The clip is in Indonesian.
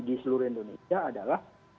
di seluruh indonesia adalah